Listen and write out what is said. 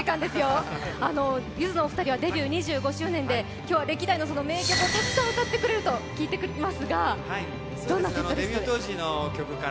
ゆずの２人は２５周年で今日は歴代の名曲をたくさん歌っていると聞いていますが、どんな曲ですか？